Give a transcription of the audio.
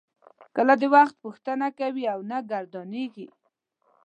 کله د وخت پوښتنه کوي او نه ګردانیږي.